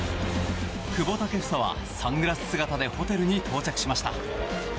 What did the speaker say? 久保建英はサングラス姿でホテルに到着しました。